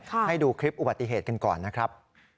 ให้ดูคลิปอุบัติเหตุกันก่อนนะครับ